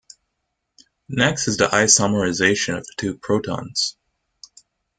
Next is the isomerization of the two protons.